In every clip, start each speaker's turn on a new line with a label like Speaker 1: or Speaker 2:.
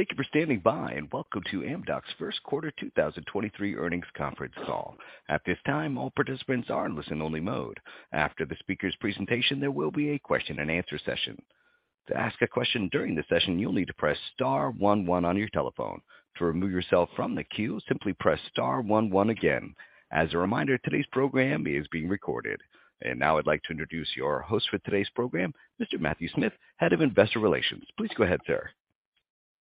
Speaker 1: Thank you for standing by. Welcome to Amdocs first quarter 2023 earnings conference call. At this time, all participants are in listen only mode. After the speaker's presentation, there will be a question and answer session. To ask a question during the session, you'll need to press star one one on your telephone. To remove yourself from the queue, simply press star one one again. As a reminder, today's program is being recorded. Now I'd like to introduce your host for today's program, Mr. Matthew Smith, Head of Investor Relations. Please go ahead, sir.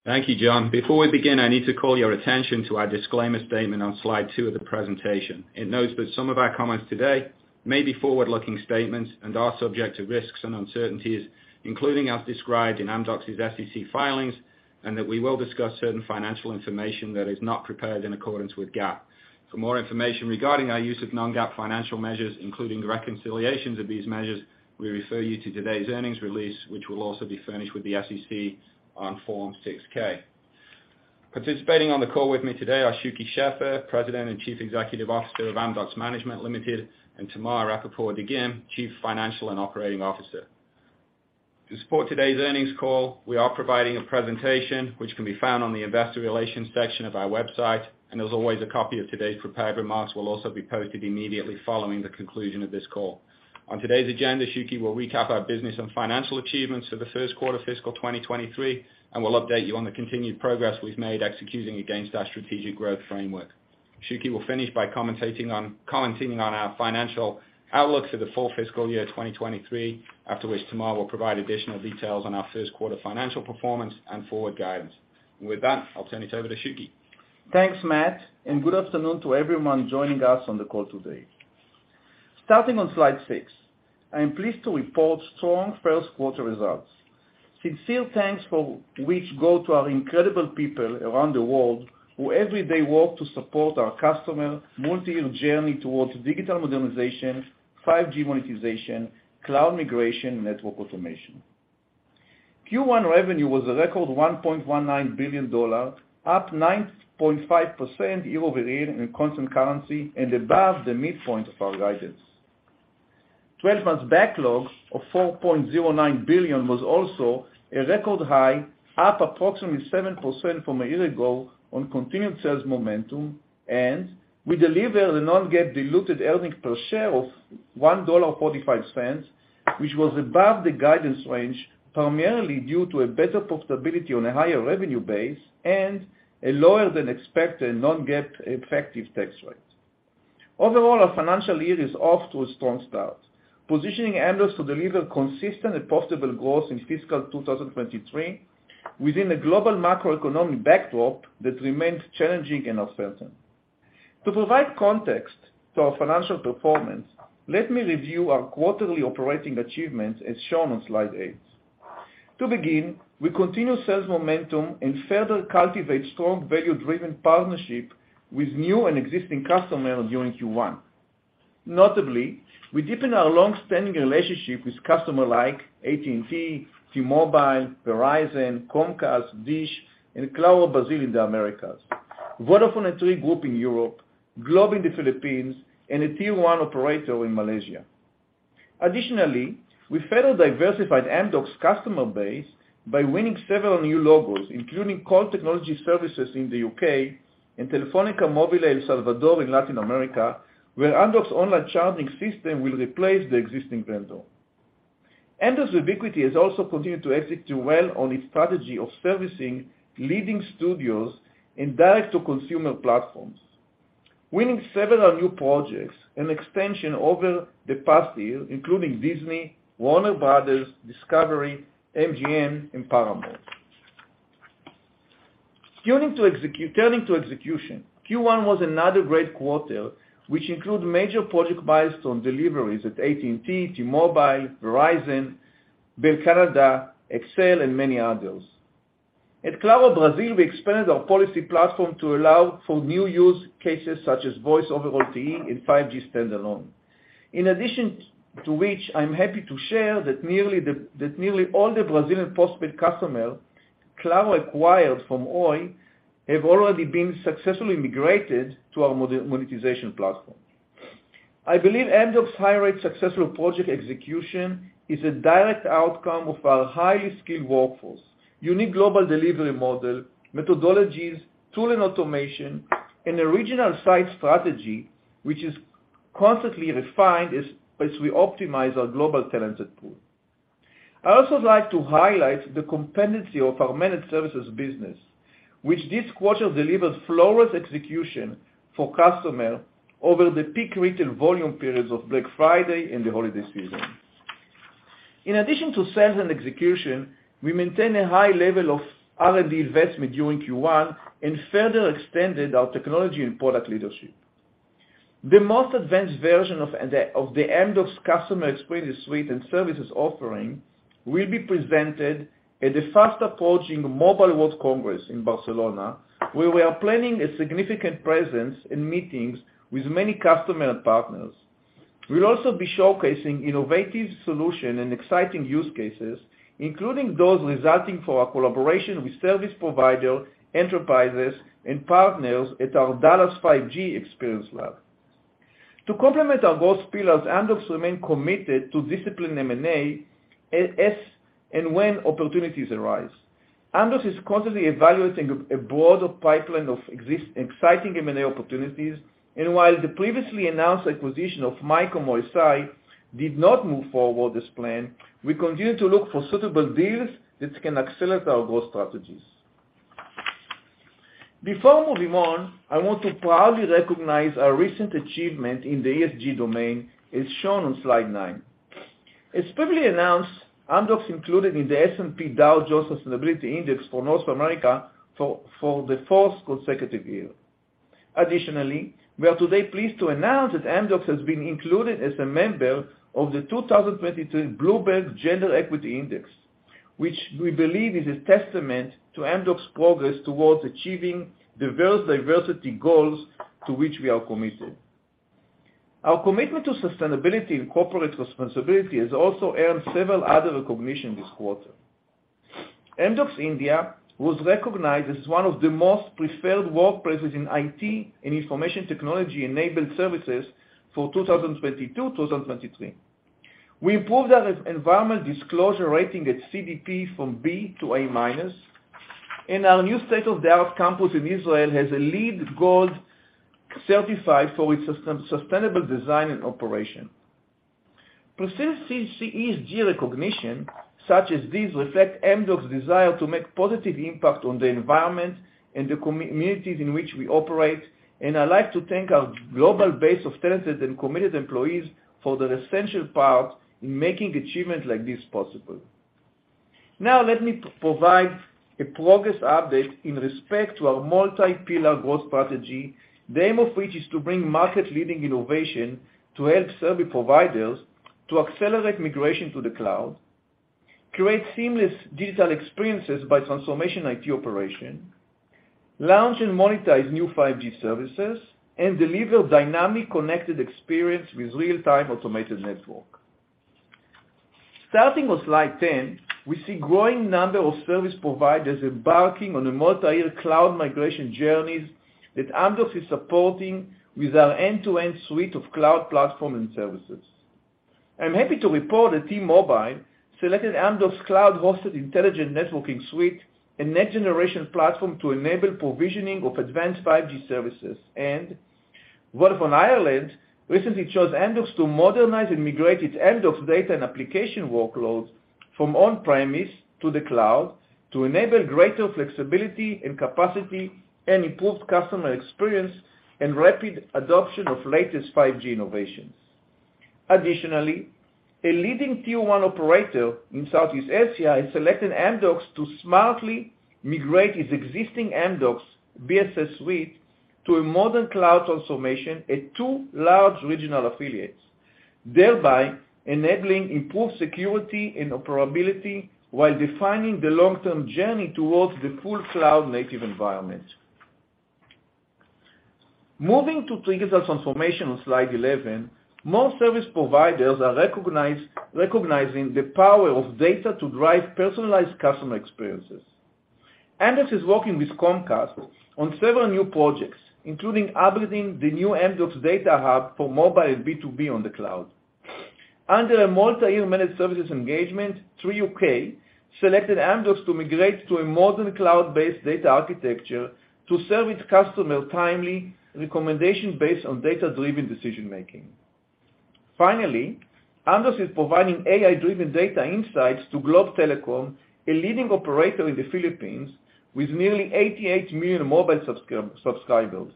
Speaker 2: Thank you, John. Before we begin, I need to call your attention to our disclaimer statement on slide two of the presentation. It notes that some of our comments today may be forward-looking statements and are subject to risks and uncertainties, including as described in Amdocs' SEC filings, and that we will discuss certain financial information that is not prepared in accordance with GAAP. For more information regarding our use of non-GAAP financial measures, including the reconciliations of these measures, we refer you to today's earnings release, which will also be furnished with the SEC on Form 6-K. Participating on the call with me today are Shuky Sheffer, President and Chief Executive Officer of Amdocs Management Limited, and Tamar Rapaport-Dagim, Chief Financial and Operating Officer. To support today's earnings call, we are providing a presentation which can be found on the investor relations section of our website. As always, a copy of today's prepared remarks will also be posted immediately following the conclusion of this call. On today's agenda, Shuky will recap our business and financial achievements for the first quarter fiscal 2023, and we'll update you on the continued progress we've made executing against our strategic growth framework. Shuky will finish by commentating on our financial outlook for the full fiscal year 2023, after which Tamar will provide additional details on our first quarter financial performance and forward guidance. With that, I'll turn it over to Shuky.
Speaker 3: Thanks, Matt. Good afternoon to everyone joining us on the call today. Starting on slide six, I am pleased to report strong first quarter results. Sincere thanks for which go to our incredible people around the world who every day work to support our customer multi-year journey towards digital modernization, 5G monetization, cloud migration, network automation. Q1 revenue was a record $1.19 billion, up 9.5% year-over-year in constant currency and above the midpoint of our guidance. 12 months backlog of $4.09 billion was also a record high, up approximately 7% from a year ago on continued sales momentum. We delivered a non-GAAP diluted earnings per share of $1.45, which was above the guidance range, primarily due to a better profitability on a higher revenue base and a lower than expected non-GAAP effective tax rate. Overall, our financial year is off to a strong start, positioning Amdocs to deliver consistent and possible growth in fiscal 2023 within a global macroeconomic backdrop that remains challenging and uncertain. To provide context to our financial performance, let me review our quarterly operating achievements as shown on slide eight. To begin, we continue sales momentum and further cultivate strong value-driven partnership with new and existing customers during Q1. Notably, we deepen our long-standing relationship with customer like AT&T, T-Mobile, Verizon, Comcast, DISH, and Claro Brazil in the Americas, Vodafone and Three Group Europe, Globe in the Philippines, and a Tier 1 operator in Malaysia. We further diversified Amdocs' customer base by winning several new logos, including Colt Technology Services in the U.K. and Telefónica Móviles El Salvador in Latin America, where Amdocs online charging system will replace the existing vendor. Amdocs Vubiquity has also continued to execute well on its strategy of servicing leading studios in direct to consumer platforms, winning several new projects and expansion over the past year, including Disney, Warner Bros. Discovery, MGM, and Paramount. Turning to execution, Q1 was another great quarter, which include major project milestone deliveries at AT&T, T-Mobile, Verizon, Bell Canada, XL Axiata, and many others. At Claro Brazil, we expanded our policy platform to allow for new use cases such as Voice over LTE and 5G Standalone. In addition to which, I'm happy to share that nearly all the Brazilian postpaid customer Claro acquired from Oi have already been successfully migrated to our monetization platform. I believe Amdocs' high rate successful project execution is a direct outcome of our highly skilled workforce, unique global delivery model, methodologies, tool and automation, and a regional site strategy, which is constantly refined as we optimize our global talented pool. I also like to highlight the competency of our managed services business, which this quarter delivered flawless execution for customer over the peak retail volume periods of Black Friday and the holiday season. In addition to sales and execution, we maintain a high level of R&D investment during Q1 and further extended our technology and product leadership. The most advanced version of the Amdocs Customer Experience Suite and services offering will be presented at the fast-approaching Mobile World Congress in Barcelona, where we are planning a significant presence in meetings with many customer and partners. We'll also be showcasing innovative solution and exciting use cases, including those resulting for our collaboration with service provider, enterprises, and partners at our Dallas 5G Experience Lab. To complement our growth pillars, Amdocs remain committed to discipline M&A as and when opportunities arise. Amdocs is constantly evaluating a broader pipeline of exciting M&A opportunities. While the previously announced acquisition of MYCOM OSI did not move forward as planned, we continue to look for suitable deals that can accelerate our growth strategies. Before moving on, I want to proudly recognize our recent achievement in the ESG domain, as shown on slide nine. As publicly announced, Amdocs included in the S&P Dow Jones Sustainability Index for North America for the fourth consecutive year. We are today pleased to announce that Amdocs has been included as a member of the 2022 Bloomberg Gender-Equality Index, which we believe is a testament to Amdocs' progress towards achieving the world's diversity goals to which we are committed. Our commitment to sustainability and corporate responsibility has also earned several other recognition this quarter. Amdocs India was recognized as one of the most preferred workplaces in IT and information technology-enabled services for 2022, 2023. We improved our re-environment disclosure rating at CDP from B to A-minus, our new State of Dallas Campus in Israel has a LEED Gold certified for its sustainable design and operation. Proceed C-CEG recognition such as these reflect Amdocs' desire to make positive impact on the environment and the communities in which we operate, and I'd like to thank our global base of talented and committed employees for their essential part in making achievements like this possible. Now, let me provide a progress update in respect to our multi-pillar growth strategy, the aim of which is to bring market-leading innovation to help service providers to accelerate migration to the cloud, create seamless digital experiences by transformation IT operation, launch and monetize new 5G services, and deliver dynamic connected experience with real-time automated network. Starting on slide 10, we see growing number of service providers embarking on a multi-year cloud migration journeys that Amdocs is supporting with our end-to-end suite of cloud platform and services. I'm happy to report that T-Mobile selected Amdocs' cloud hosted Intelligent Networking Suite and next-generation platform to enable provisioning of advanced 5G services. Vodafone Ireland recently chose Amdocs to modernize and migrate its Amdocs data and application workloads from on-premise to the cloud to enable greater flexibility and capacity and improved customer experience and rapid adoption of latest 5G innovations. Additionally, a leading tier one operator in Southeast Asia has selected Amdocs to smartly migrate its existing Amdocs BSS suite to a modern cloud transformation at two large regional affiliates, thereby enabling improved security and operability while defining the long-term journey towards the full cloud native environment. Moving to triggers and transformation on slide 11, most service providers are recognizing the power of data to drive personalized customer experiences. Amdocs is working with Comcast on several new projects, including upgrading the new Amdocs data hub for mobile B2B on the cloud. Under a multi-year managed services engagement, Three UK selected Amdocs to migrate to a modern cloud-based data architecture to serve its customer timely recommendation based on data-driven decision-making. Finally, Amdocs is providing AI-driven data insights to Globe Telecom, a leading operator in the Philippines, with nearly 88 million mobile subscribers.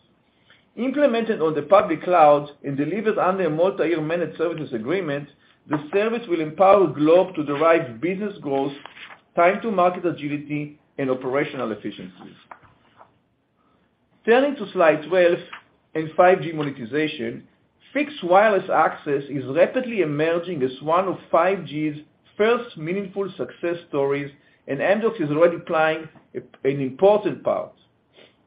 Speaker 3: Implemented on the public cloud and delivered under a multi-year managed services agreement, the service will empower Globe to derive business growth, time-to-market agility, and operational efficiencies. Turning to slide 12 and 5G monetization, Fixed Wireless Access is rapidly emerging as one of 5G's first meaningful success stories, and Amdocs is already playing an important part.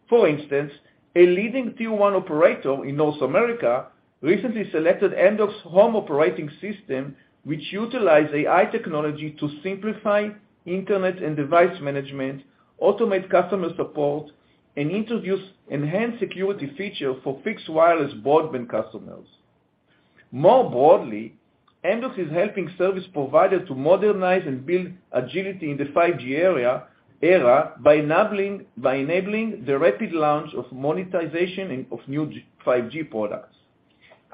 Speaker 3: For instance, a leading tier one operator in North America recently selected Amdocs' Home Operating System, which utilize AI technology to simplify internet and device management, automate customer support, and introduce enhanced security feature for fixed wireless broadband customers. More broadly, Amdocs is helping service provider to modernize and build agility in the 5G era by enabling the rapid launch of monetization of new 5G products.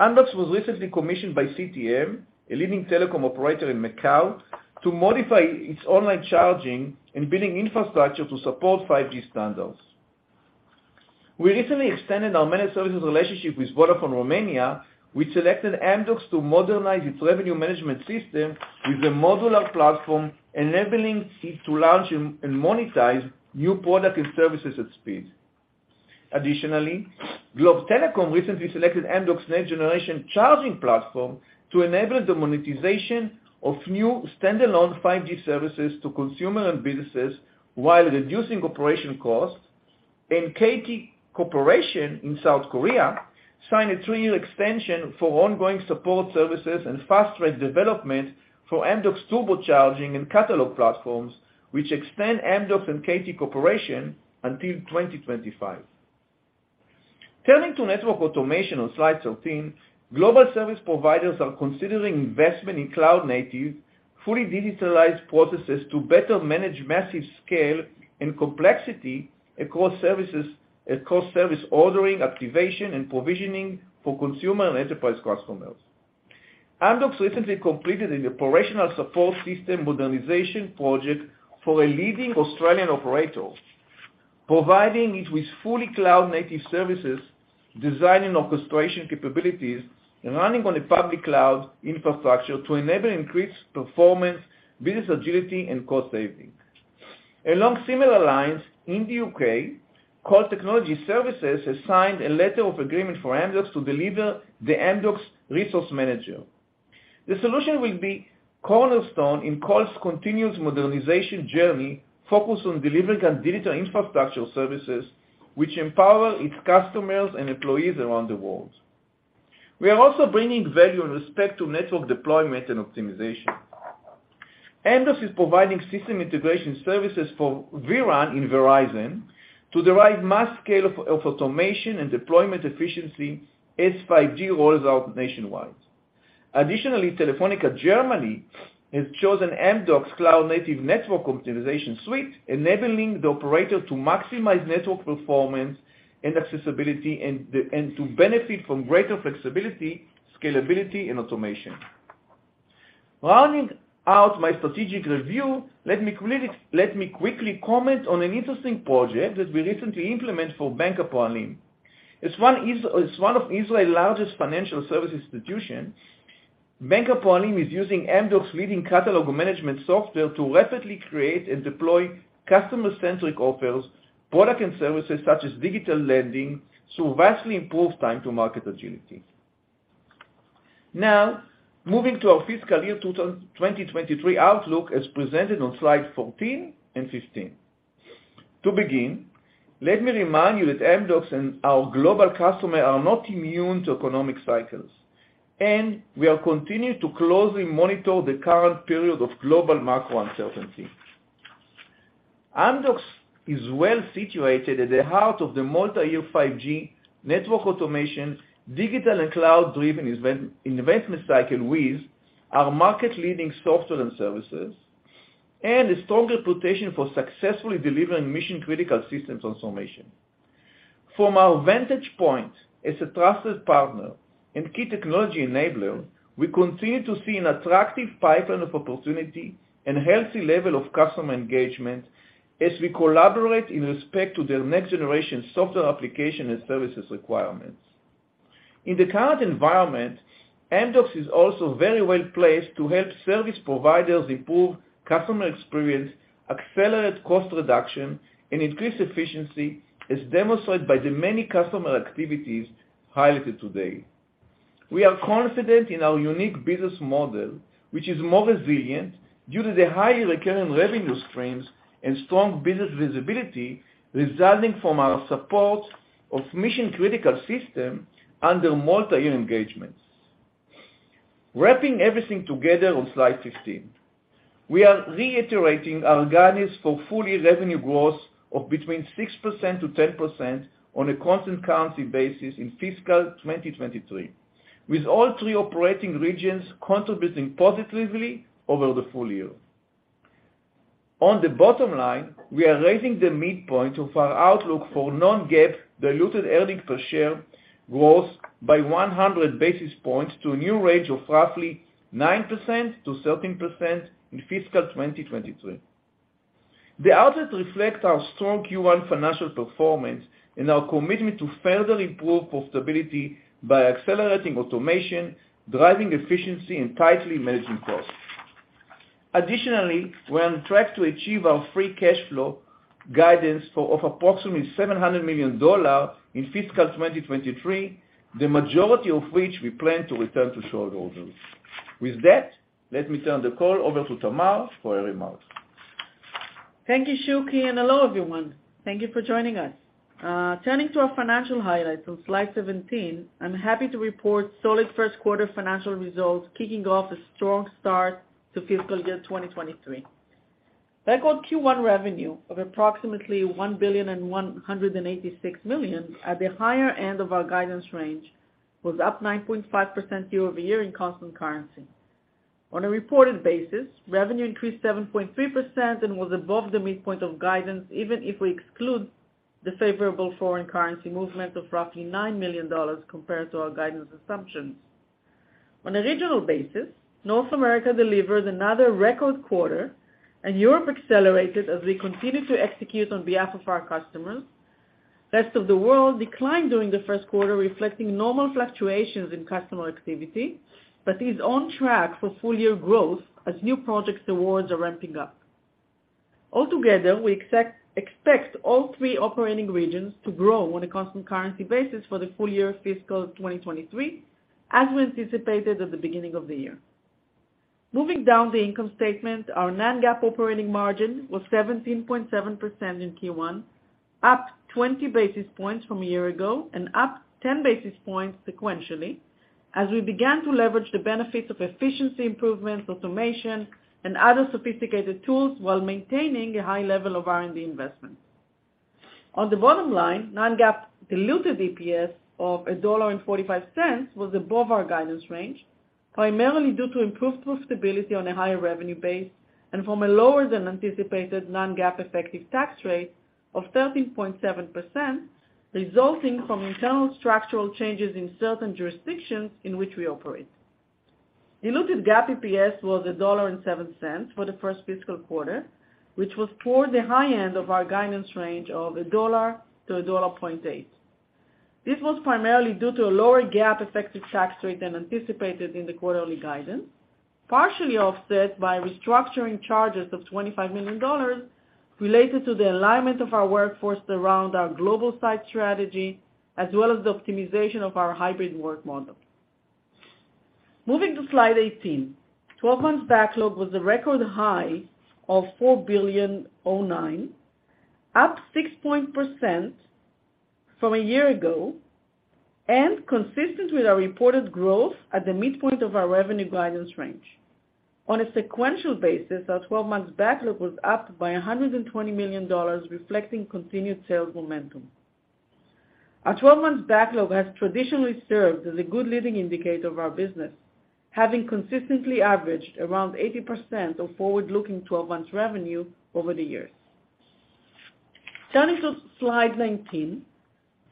Speaker 3: Amdocs was recently commissioned by CTM, a leading telecom operator in Macau, to modify its online charging and building infrastructure to support 5G standards. We recently extended our managed services relationship with Vodafone Romania, which selected Amdocs to modernize its revenue management system with a modular platform, enabling it to launch and monetize new product and services at speed. Additionally, Globe Telecom recently selected Amdocs next-generation charging platform to enable the monetization of new standalone 5G services to consumer and businesses while reducing operation costs. KT Corporation in South Korea signed a three-year extension for ongoing support services and fast-track development for Amdocs Turbo Charging and catalog platforms, which extend Amdocs and KT Corporation until 2025. Turning to network automation on slide 13, global service providers are considering investment in cloud native, fully digitalized processes to better manage massive scale and complexity across services, across service ordering, activation, and provisioning for consumer and enterprise customers. Amdocs recently completed an operational support system modernization project for a leading Australian operator, providing it with fully cloud native services, designing orchestration capabilities, and running on a public cloud infrastructure to enable increased performance, business agility, and cost saving. Along similar lines, in the U.K., Colt Technology Services has signed a letter of agreement for Amdocs to deliver the Amdocs Resource Manager. The solution will be cornerstone in Colt's continuous modernization journey, focused on delivering digital infrastructure services which empower its customers and employees around the world. We are also bringing value and respect to network deployment and optimization. Amdocs is providing system integration services for vRAN in Verizon to derive mass scale of automation and deployment efficiency as 5G rolls out nationwide. Telefonica Germany has chosen Amdocs cloud-native network optimization suite, enabling the operator to maximize network performance and accessibility, and to benefit from greater flexibility, scalability, and automation. Rounding out my strategic review, let me quickly comment on an interesting project that we recently implement for Bank Hapoalim. As one of Israel's largest financial service institution, Bank Hapoalim is using Amdocs leading catalog management software to rapidly create and deploy customer-centric offers, product and services such as digital lending, to vastly improve time to market agility. Moving to our fiscal year 2023 outlook as presented on slide 14 and 15. To begin, let me remind you that Amdocs and our global customer are not immune to economic cycles. We are continuing to closely monitor the current period of global macro uncertainty. Amdocs is well-situated at the heart of the multi-year 5G network automation, digital and cloud-driven investment cycle with our market-leading software and services and a strong reputation for successfully delivering mission-critical system transformation. From our vantage point as a trusted partner and key technology enabler, we continue to see an attractive pipeline of opportunity and healthy level of customer engagement as we collaborate in respect to their next-generation software application and services requirements. In the current environment, Amdocs is also very well-placed to help service providers improve customer experience, accelerate cost reduction, and increase efficiency, as demonstrated by the many customer activities highlighted today. We are confident in our unique business model, which is more resilient due to the high recurring revenue streams and strong business visibility resulting from our support of mission-critical system under multi-year engagements. Wrapping everything together on slide 15, we are reiterating our guidance for full-year revenue growth of between 6%-10% on a constant currency basis in fiscal 2023, with all three operating regions contributing positively over the full year. On the bottom line, we are raising the midpoint of our outlook for non-GAAP diluted earnings per share growth by 100 basis points to a new range of roughly 9%-13% in fiscal 2023. The outage reflect our strong Q1 financial performance and our commitment to further improve profitability by accelerating automation, driving efficiency, and tightly managing costs. We're on track to achieve our free cash flow guidance of approximately $700 million in fiscal 2023, the majority of which we plan to return to shareholders. Let me turn the call over to Tamar for her remarks.
Speaker 4: Thank you, Shuki, and hello, everyone. Thank you for joining us. Turning to our financial highlights on slide 17, I'm happy to report solid first quarter financial results, kicking off a strong start to fiscal year 2023. Record Q1 revenue of approximately $1.186 billion at the higher end of our guidance range was up 9.5% year-over-year in constant currency. On a reported basis, revenue increased 7.3% and was above the midpoint of guidance, even if we exclude the favorable foreign currency movement of roughly $9 million compared to our guidance assumptions. On a regional basis, North America delivered another record quarter and Europe accelerated as we continue to execute on behalf of our customers. Rest of the world declined during the first quarter, reflecting normal fluctuations in customer activity, but is on track for full-year growth as new projects awards are ramping up. Altogether, we expect all three operating regions to grow on a constant currency basis for the full year fiscal 2023, as we anticipated at the beginning of the year. Moving down the income statement, our non-GAAP operating margin was 17.7% in Q1, up 20 basis points from a year ago and up 10 basis points sequentially. As we began to leverage the benefits of efficiency improvements, automation, and other sophisticated tools while maintaining a high level of R&D investment. On the bottom line, non-GAAP diluted EPS of $1.45 was above our guidance range, primarily due to improved profitability on a higher revenue base and from a lower than anticipated non-GAAP effective tax rate of 13.7%, resulting from internal structural changes in certain jurisdictions in which we operate. Diluted GAAP EPS was $1.07 for the first fiscal quarter, which was toward the high end of our guidance range of $1.00-$1.08. This was primarily due to a lower GAAP effective tax rate than anticipated in the quarterly guidance, partially offset by restructuring charges of $25 million related to the alignment of our workforce around our global site strategy, as well as the optimization of our hybrid work model. Moving to slide 18. 12 months backlog was a record high of $4.09 billion, up 6% from a year ago, and consistent with our reported growth at the midpoint of our revenue guidance range. On a sequential basis, our 12 months backlog was up by $120 million, reflecting continued sales momentum. Our 12 months backlog has traditionally served as a good leading indicator of our business, having consistently averaged around 80% of forward-looking 12-months revenue over the years. Turning to slide 19.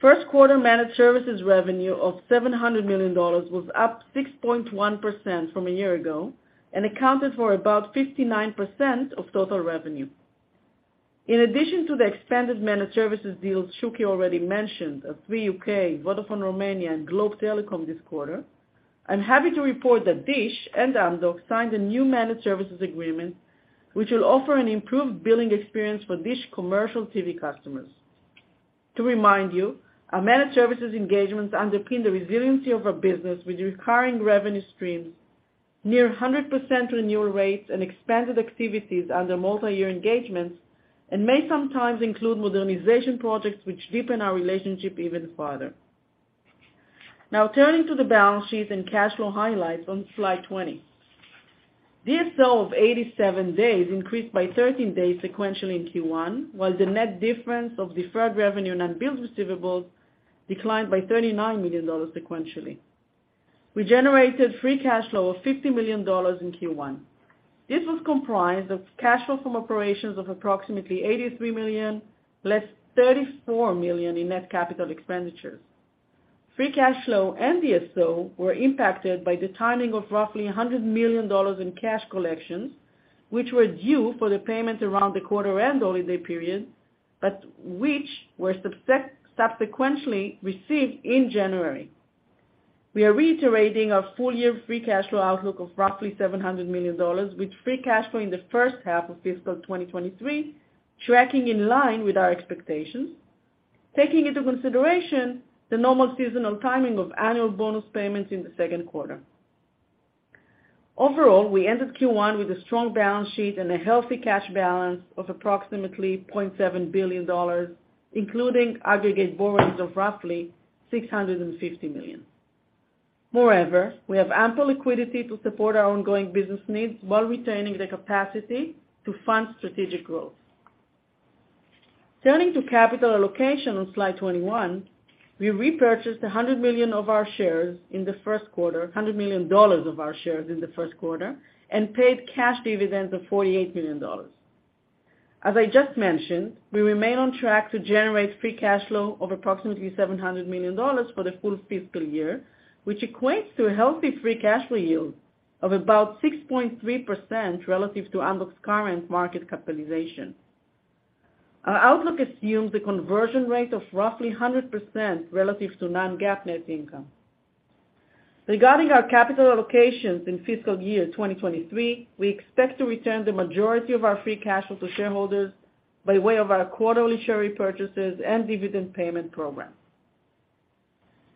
Speaker 4: First quarter managed services revenue of $700 million was up 6.1% from a year ago and accounted for about 59% of total revenue. In addition to the expanded managed services deals Shuky already mentioned of Three UK, Vodafone Romania and Globe Telecom this quarter, I'm happy to report that DISH and Amdocs signed a new managed services agreement, which will offer an improved billing experience for DISH commercial TV customers. To remind you, our managed services engagements underpin the resiliency of our business with recurring revenue streams, near 100% renewal rates and expanded activities under multi-year engagements, and may sometimes include modernization projects which deepen our relationship even further. Turning to the balance sheet and cash flow highlights on slide 20. DSO of 87 days increased by 13 days sequentially in Q1, while the net difference of deferred revenue and unbilled receivables declined by $39 million sequentially. We generated free cash flow of $50 million in Q1. This was comprised of cash flow from operations of approximately $83 million, less $34 million in net capital expenditures. Free cash flow and DSO were impacted by the timing of roughly $100 million in cash collections, which were due for the payment around the quarter-end holiday period, but which were subsequently received in January. We are reiterating our full-year free cash flow outlook of roughly $700 million, with free cash flow in the first half of fiscal 2023 tracking in line with our expectations, taking into consideration the normal seasonal timing of annual bonus payments in the second quarter. Overall, we ended Q1 with a strong balance sheet and a healthy cash balance of approximately $0.7 billion, including aggregate borrowings of roughly $650 million. Moreover, we have ample liquidity to support our ongoing business needs while retaining the capacity to fund strategic growth. Turning to capital allocation on slide 21. We repurchased $100 million of our shares in the first quarter, and paid cash dividends of $48 million. As I just mentioned, we remain on track to generate free cash flow of approximately $700 million for the full fiscal year, which equates to a healthy free cash flow yield of about 6.3% relative to Amdocs current market capitalization. Our outlook assumes a conversion rate of roughly 100% relative to non-GAAP net income. Regarding our capital allocations in fiscal year 2023, we expect to return the majority of our free cash flow to shareholders by way of our quarterly share repurchases and dividend payment program.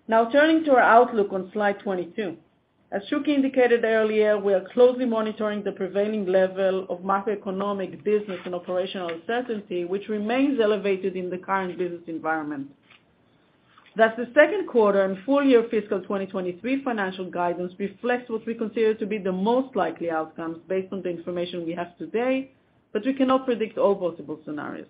Speaker 4: Now turning to our outlook on slide 22. As Shuky indicated earlier, we are closely monitoring the prevailing level of macroeconomic business and operational uncertainty, which remains elevated in the current business environment. The second quarter and full-year fiscal 2023 financial guidance reflects what we consider to be the most likely outcomes based on the information we have today, but we cannot predict all possible scenarios.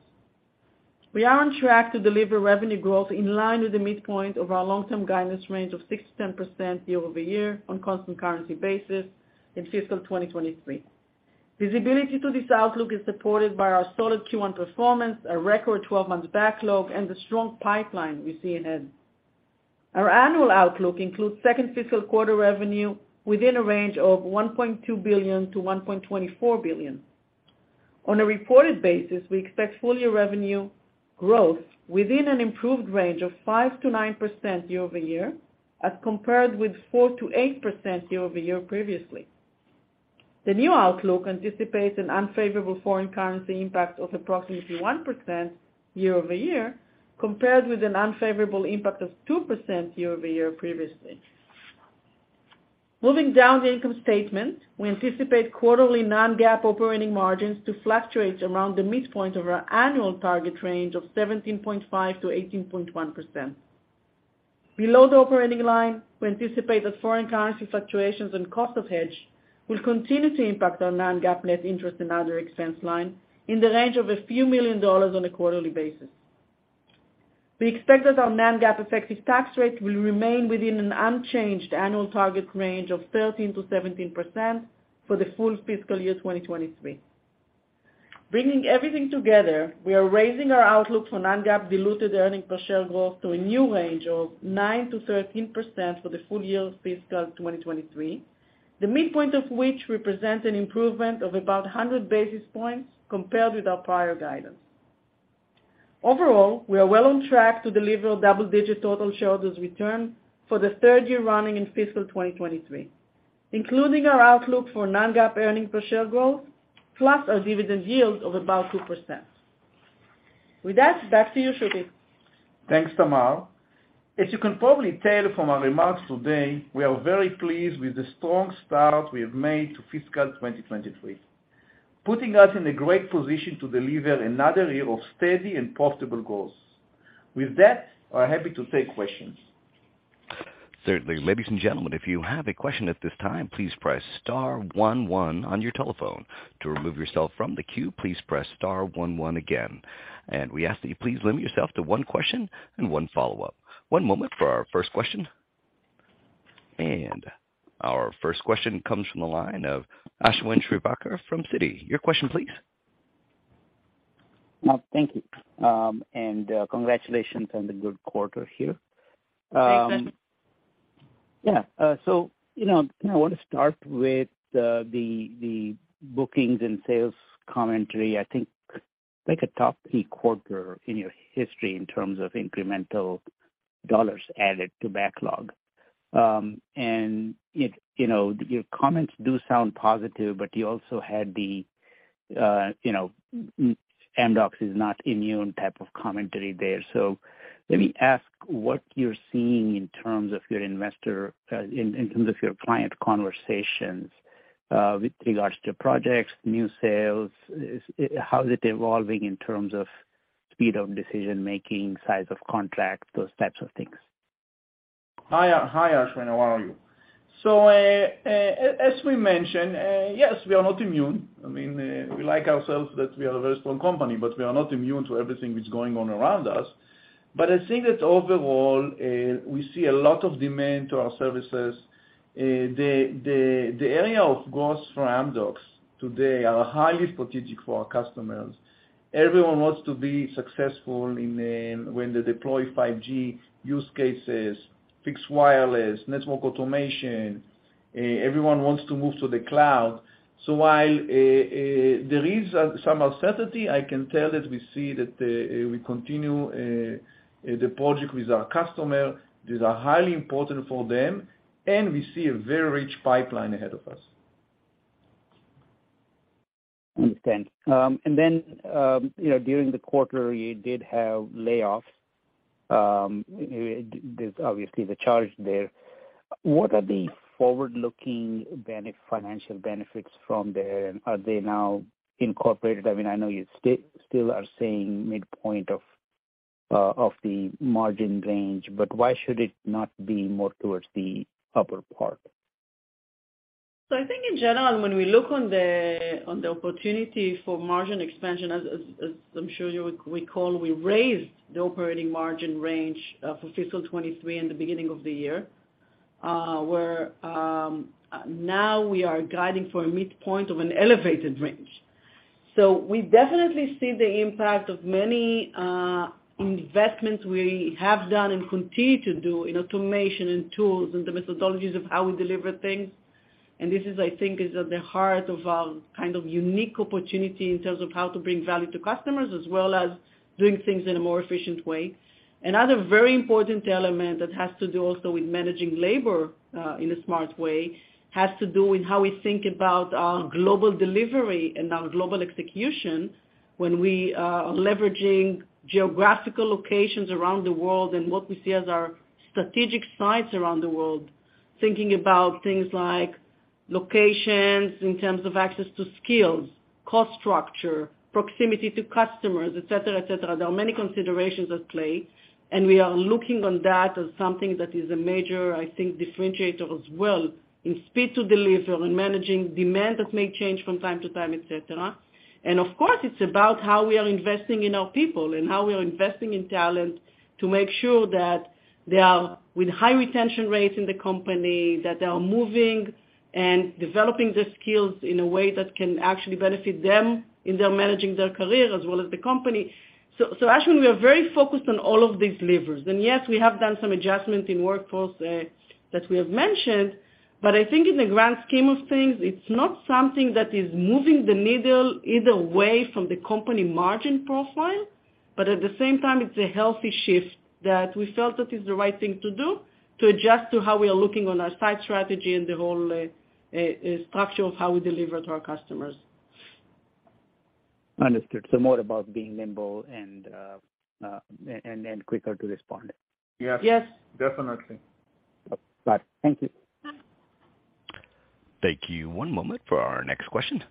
Speaker 4: We are on track to deliver revenue growth in line with the midpoint of our long-term guidance range of 6%-10% year-over-year on constant currency basis in fiscal 2023. Visibility to this outlook is supported by our solid Q1 performance, our record 12-months backlog, and the strong pipeline we see ahead. Our annual outlook includes second fiscal quarter revenue within a range of $1.2 billion-$1.24 billion. On a reported basis, we expect full-year revenue growth within an improved range of 5%-9% year-over-year, as compared with 4%-8% year-over-year previously. The new outlook anticipates an unfavorable foreign currency impact of approximately 1% year-over-year, compared with an unfavorable impact of 2% year-over-year previously. Moving down the income statement, we anticipate quarterly non-GAAP operating margins to fluctuate around the midpoint of our annual target range of 17.5%-18.1%. Below the operating line, we anticipate that foreign currency fluctuations and cost of hedge will continue to impact our non-GAAP net interest and other expense line in the range of a few million dollars on a quarterly basis. We expect that our non-GAAP effective tax rate will remain within an unchanged annual target range of 13%-17% for the full fiscal year 2023. Bringing everything together, we are raising our outlook for non-GAAP diluted earnings per share growth to a new range of 9%-13% for the full year fiscal 2023, the midpoint of which represents an improvement of about 100 basis points compared with our prior guidance. We are well on track to deliver double-digit total shareholders return for the third year running in fiscal 2023, including our outlook for non-GAAP earnings per share growth, plus our dividend yield of about 2%. With that, back to you, Shuky.
Speaker 3: Thanks, Tamar. As you can probably tell from our remarks today, we are very pleased with the strong start we have made to fiscal 2023, putting us in a great position to deliver another year of steady and profitable growth. With that, I'm happy to take questions.
Speaker 1: Ladies and gentlemen, if you have a question at this time, please press star one one on your telephone. To remove yourself from the queue, please press star one one again. We ask that you please limit yourself to one question and one follow-up. One moment for our first question. Our first question comes from the line of Ashwin Shirvaikar from Citi. Your question please.
Speaker 5: Thank you. Congratulations on the good quarter here.
Speaker 4: Thanks.
Speaker 5: Yeah, you know, I want to start with the bookings and sales commentary. I think like a top key quarter in your history in terms of incremental dollars added to backlog. You know, your comments do sound positive, but you also had the, you know, Amdocs is not immune type of commentary there. Let me ask what you're seeing in terms of your investor, in terms of your client conversations, with regards to projects, new sales, how is it evolving in terms of speed of decision-making, size of contracts, those types of things?
Speaker 3: Hi, Ashwin Shirvaikar, how are you? As we mentioned, yes, we are not immune. I mean, we like ourselves that we are a very strong company, but we are not immune to everything that's going on around us. I think that overall, we see a lot of demand to our services. The area of growth for Amdocs today are highly strategic for our customers. Everyone wants to be successful in when they deploy 5G use cases, fixed wireless, network automation. Everyone wants to move to the cloud. While there is some uncertainty, I can tell that we see that we continue the project with our customer. These are highly important for them, and we see a very rich pipeline ahead of us.
Speaker 5: Understand. During the quarter, you did have layoffs. There's obviously the charge there. What are the forward-looking financial benefits from there? Are they now incorporated? I mean, I know you still are saying midpoint of the margin range, but why should it not be more towards the upper part?
Speaker 4: I think in general, when we look on the opportunity for margin expansion, as I'm sure you recall, we raised the operating margin range for fiscal 23 in the beginning of the year, where now we are guiding for a midpoint of an elevated range. We definitely see the impact of many investments we have done and continue to do in automation and tools and the methodologies of how we deliver things. This is, I think, is at the heart of our kind of unique opportunity in terms of how to bring value to customers, as well as doing things in a more efficient way. Another very important element that has to do also with managing labor, in a smart way, has to do with how we think about our global delivery and our global execution when we are leveraging geographical locations around the world and what we see as our strategic sites around the world. Thinking about things like locations in terms of access to skills, cost structure, proximity to customers, et cetera, et cetera. There are many considerations at play. We are looking on that as something that is a major, I think, differentiator as well in speed to deliver, in managing demand that may change from time to time, et cetera. Of course, it's about how we are investing in our people and how we are investing in talent to make sure that they are with high retention rates in the company, that they are moving and developing the skills in a way that can actually benefit them in their managing their career as well as the company. Ashwin, we are very focused on all of these levers. Yes, we have done some adjustments in workforce that we have mentioned, I think in the grand scheme of things, it's not something that is moving the needle either way from the company margin profile, but at the same time, it's a healthy shift that we felt it is the right thing to do to adjust to how we are looking on our site strategy and the whole structure of how we deliver to our customers.
Speaker 5: Understood. More about being nimble and quicker to respond.
Speaker 3: Yes.
Speaker 4: Yes.
Speaker 3: Definitely.
Speaker 5: Bye. Thank you.
Speaker 4: Bye.
Speaker 1: Thank you. One moment for our next question.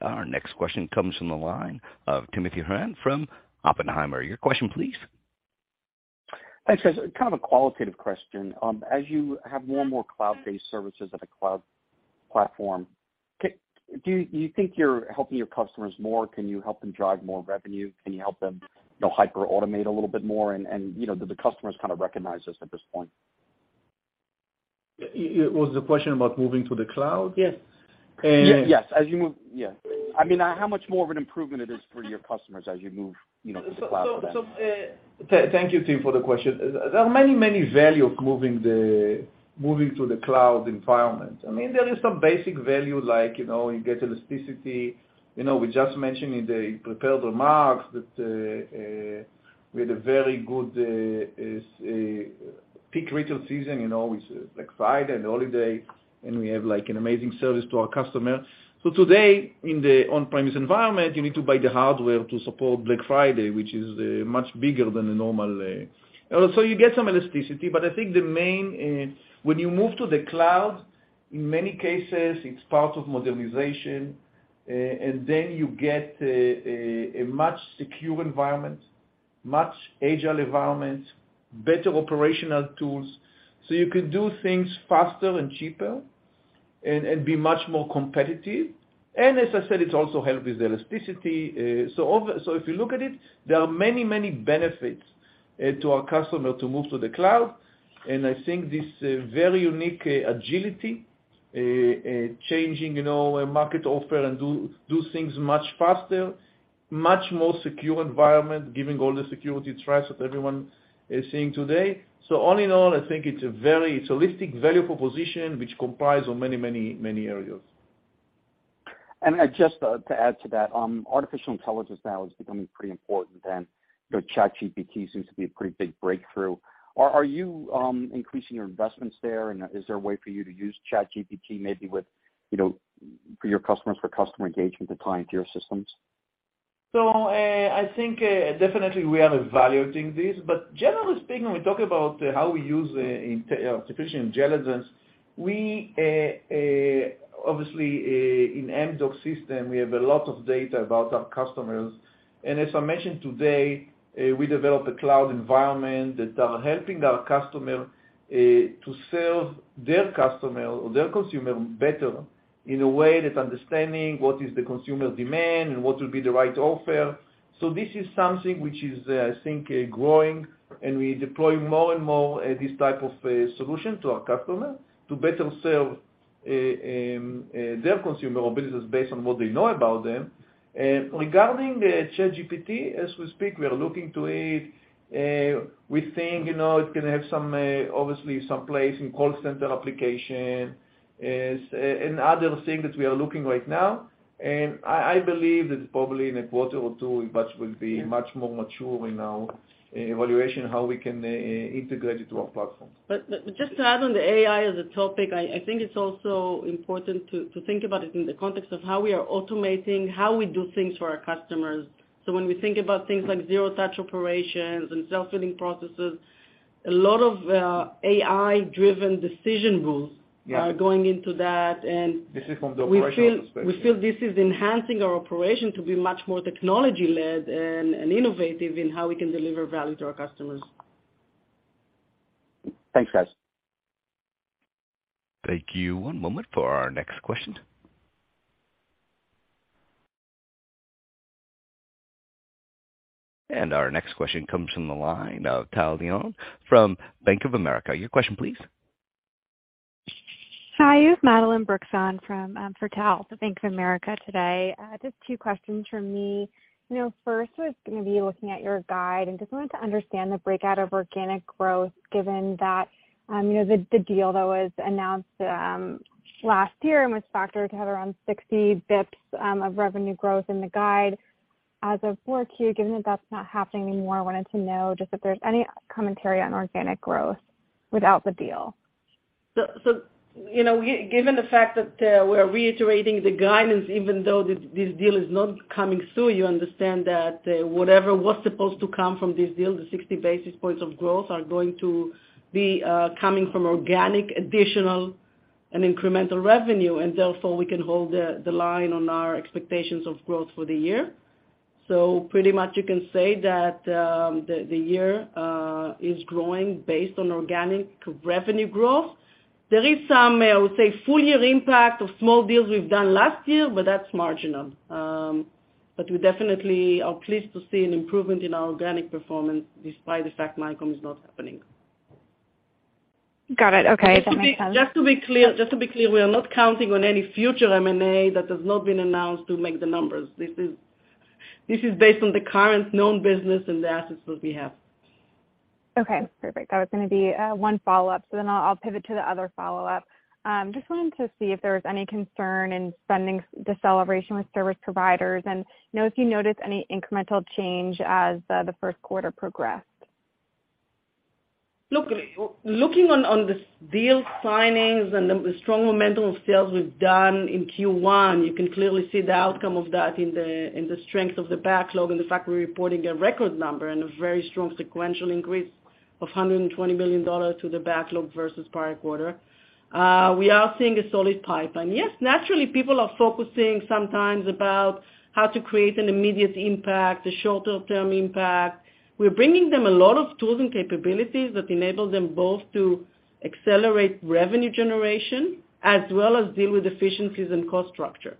Speaker 1: Our next question comes from the line of Timothy Horan from Oppenheimer. Your question please.
Speaker 6: Thanks, guys. Kind of a qualitative question. As you have more and more cloud-based services at a cloud platform, do you think you're helping your customers more? Can you help them drive more revenue? Can you help them, you know, hyper automate a little bit more? You know, do the customers kind of recognize this at this point?
Speaker 3: It was the question about moving to the cloud?
Speaker 6: Yes.
Speaker 3: Eh-
Speaker 6: Yes. As you move. Yeah. I mean, how much more of an improvement it is for your customers as you move, you know, to the cloud for them?
Speaker 3: Thank you, Tim, for the question. There are many, many value of moving to the cloud environment. I mean, there is some basic value like, you know, you get elasticity. You know, we just mentioned in the prepared remarks that we had a very good peak retail season, you know, with Black Friday and holiday, and we have, like, an amazing service to our customer. Today, in the on-premise environment, you need to buy the hardware to support Black Friday, which is much bigger than the normal. You get some elasticity, but I think the main, when you move to the cloud, in many cases it's part of modernization. h secure environment, much agile environment, better operational tools, so you can do things faster and cheaper and be much more competitive. As I said, it also help with elasticity. If you look at it, there are many, many benefits to our customer to move to the cloud. I think this very unique agility, changing, you know, a market offer and do things much faster, much more secure environment, giving all the security threats that everyone is seeing today. All in all, I think it's a very holistic value proposition which comprise of many, many, many areas.
Speaker 6: Just to add to that, artificial intelligence now is becoming pretty important, and, you know, ChatGPT seems to be a pretty big breakthrough. Are you increasing your investments there and is there a way for you to use ChatGPT, maybe with, you know, for your customers for customer engagement to tie into your systems?
Speaker 3: I think, definitely we are evaluating this. Generally speaking, when we talk about how we use artificial intelligence, we obviously in Amdocs system, we have a lot of data about our customers. As I mentioned today, we developed a cloud environment that are helping our customer to serve their customer or their consumer better in a way that's understanding what is the consumer demand and what will be the right offer. This is something which is, I think, growing, and we deploy more and more this type of solution to our customer to better serve their consumer or business based on what they know about them. Regarding the ChatGPT, as we speak, we are looking to it. We think, you know, it can have some, obviously some place in call center application. Other thing that we are looking right now, and I believe that probably in a quarter or two, it much will be much more mature in our evaluation, how we can integrate it to our platform.
Speaker 4: Just to add on the AI as a topic, I think it's also important to think about it in the context of how we are automating, how we do things for our customers. When we think about things like zero-touch operations and self-healing processes, a lot of AI-driven decision rules.
Speaker 3: Yeah.
Speaker 4: are going into that.
Speaker 3: This is from the operational perspective.
Speaker 4: We feel this is enhancing our operation to be much more technology-led and innovative in how we can deliver value to our customers.
Speaker 6: Thanks, guys.
Speaker 1: Thank you. One moment for our next question. Our next question comes from the line of Tal Liani from Bank of America. Your question please.
Speaker 7: Hi, it's Madeline Brooks on from for Tal, Bank of America today. Just two questions from me. You know, first was gonna be looking at your guide and just wanted to understand the breakout of organic growth given that, you know, the deal that was announced last year and was factored to have around 60 basis points of revenue growth in the guide. As of 4Q, given that that's not happening anymore, I wanted to know just if there's any commentary on organic growth without the deal.
Speaker 4: Given the fact that, you know, we are reiterating the guidance, even though this deal is not coming soon, you understand that whatever was supposed to come from this deal, the 60 basis points of growth, are going to be coming from organic additional and incremental revenue, and therefore we can hold the line on our expectations of growth for the year. Pretty much you can say that the year is growing based on organic revenue growth. There is some, I would say full year impact of small deals we've done last year, but that's marginal. We definitely are pleased to see an improvement in our organic performance despite the fact Mycom is not happening.
Speaker 7: Got it. Okay. That makes sense.
Speaker 4: Just to be clear, we are not counting on any future M&A that has not been announced to make the numbers. This is based on the current known business and the assets that we have.
Speaker 7: Okay, perfect. That was gonna be one follow-up, so then I'll pivot to the other follow-up. Just wanted to see if there was any concern in spending deceleration with service providers, and know if you noticed any incremental change as the first quarter progressed.
Speaker 4: Looking on this deal signings and the strong momentum of sales we've done in Q1, you can clearly see the outcome of that in the strength of the backlog and the fact we're reporting a record number and a very strong sequential increase of $120 million to the backlog versus prior quarter. We are seeing a solid pipeline. Naturally, people are focusing sometimes about how to create an immediate impact, a shorter-term impact. We're bringing them a lot of tools and capabilities that enable them both to accelerate revenue generation as well as deal with efficiencies and cost structure.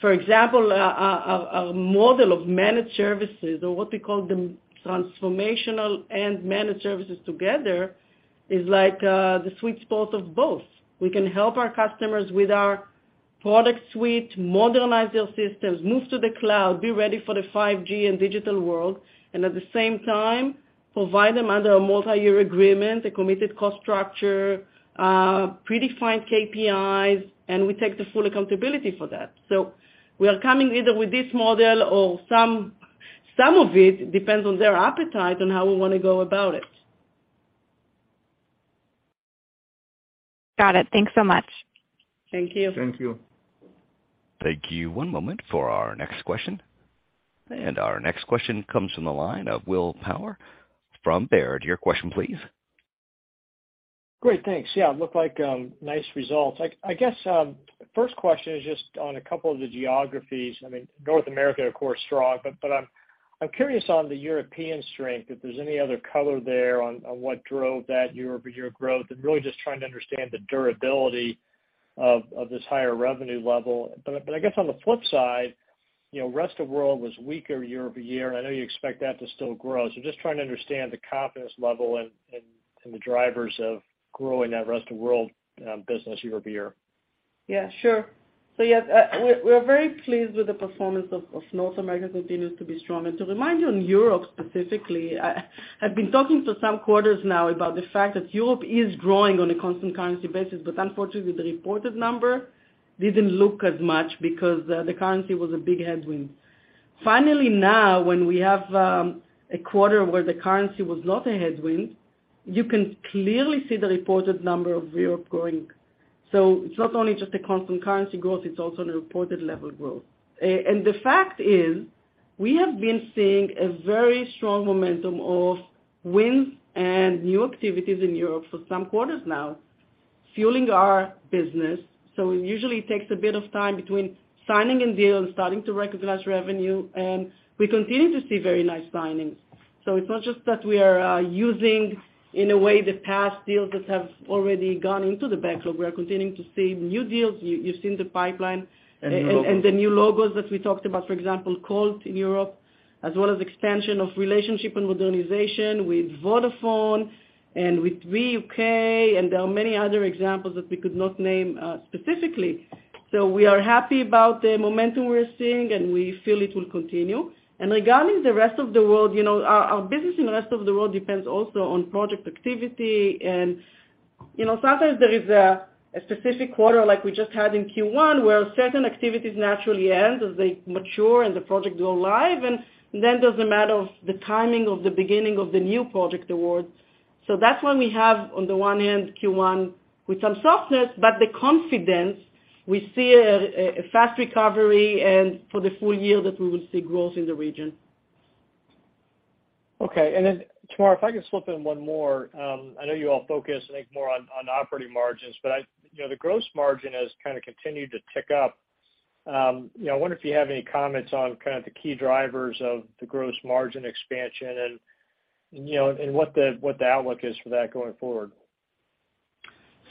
Speaker 4: For example, a model of managed services or what we call the transformational and managed services together is like the sweet spot of both. We can help our customers with our product suite, modernize their systems, move to the cloud, be ready for the 5G and digital world, and at the same time, provide them under a multi-year agreement, a committed cost structure, predefined KPIs, and we take the full accountability for that. We are coming either with this model or some of it depends on their appetite and how we wanna go about it.
Speaker 7: Got it. Thanks so much.
Speaker 4: Thank you.
Speaker 2: Thank you.
Speaker 1: Thank you. One moment for our next question. Our next question comes from the line of Will Power from Baird. Your question, please.
Speaker 8: Great, thanks. It looked like nice results. I guess first question is just on a couple of the geographies. I mean, North America, of course, strong, but I'm curious on the European strength, if there's any other color there on what drove that year-over-year growth, and really just trying to understand the durability of this higher revenue level. I guess on the flip side, you know, rest of world was weaker year-over-year, and I know you expect that to still grow. Just trying to understand the confidence level and the drivers of growing that rest of world business year-over-year.
Speaker 4: Yeah, sure. yes, we are very pleased with the performance of North America, continues to be strong. To remind you, in Europe specifically, I've been talking for some quarters now about the fact that Europe is growing on a constant currency basis, but unfortunately, the reported number didn't look as much because the currency was a big headwind. Finally now, when we have a quarter where the currency was not a headwind, you can clearly see the reported number of Europe growing. It's not only just a constant currency growth, it's also an reported level growth. The fact is we have been seeing a very strong momentum of wins and new activities in Europe for some quarters now, fueling our business. It usually takes a bit of time between signing a deal and starting to recognize revenue, and we continue to see very nice signings. It's not just that we are using, in a way, the past deals that have already gone into the backlog. We are continuing to see new deals. You've seen the pipeline...
Speaker 2: The logos.
Speaker 4: The new logos that we talked about, for example, Colt in Europe, as well as expansion of relationship and modernization with Vodafone and with Three UK, there are many other examples that we could not name specifically. We are happy about the momentum we're seeing, and we feel it will continue. Regarding the rest of the world, you know, our business in the rest of the world depends also on project activity. You know, sometimes there is a specific quarter, like we just had in Q1, where certain activities naturally end as they mature and the projects go live, then there's the matter of the timing of the beginning of the new project awards. That's why we have, on the one end, Q1 with some softness, but the confidence, we see a fast recovery and for the full year that we will see growth in the region.
Speaker 8: Tamar, if I could slip in one more. I know you all focus, I think, more on operating margins, but you know, the gross margin has kinda continued to tick up. you know, I wonder if you have any comments on kind of the key drivers of the gross margin expansion and you know, what the outlook is for that going forward.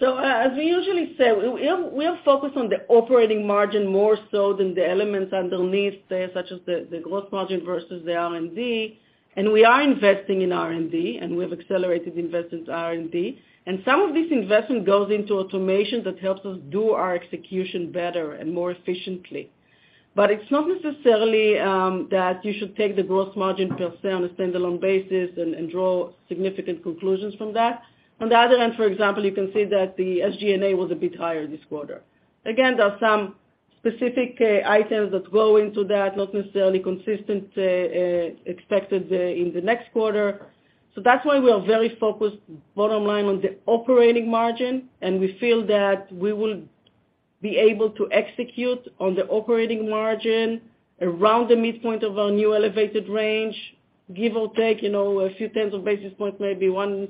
Speaker 4: As we usually say, we are focused on the operating margin more so than the elements underneath there, such as the growth margin versus the R&D. We are investing in R&D, and we have accelerated investments R&D. Some of this investment goes into automation that helps us do our execution better and more efficiently. It's not necessarily that you should take the growth margin per se on a standalone basis and draw significant conclusions from that. On the other hand, for example, you can see that the SG&A was a bit higher this quarter. Again, there are some specific items that go into that, not necessarily consistent, expected in the next quarter. That's why we are very focused bottom line on the operating margin, and we feel that we will be able to execute on the operating margin around the midpoint of our new elevated range, give or take, you know, a few tens of basis points, maybe one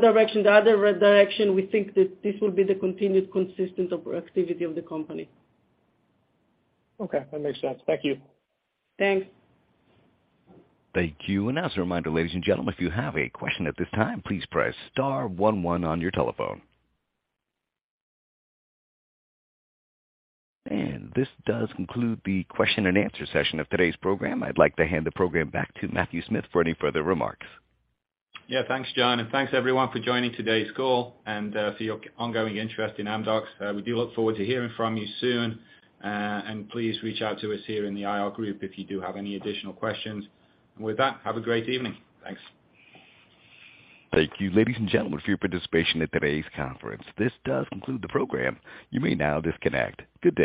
Speaker 4: direction, the other direction. We think that this will be the continued consistent of activity of the company.
Speaker 8: Okay, that makes sense. Thank you.
Speaker 4: Thanks.
Speaker 1: Thank you. As a reminder, ladies and gentlemen, if you have a question at this time, please press star one one on your telephone. This does conclude the question and answer session of today's program. I'd like to hand the program back to Matthew Smith for any further remarks.
Speaker 2: Yeah. Thanks, John. Thanks everyone for joining today's call and for your ongoing interest in Amdocs. We do look forward to hearing from you soon. Please reach out to us here in the IR group if you do have any additional questions. With that, have a great evening. Thanks.
Speaker 1: Thank you, ladies and gentlemen, for your participation in today's conference. This does conclude the program. You may now disconnect. Good day.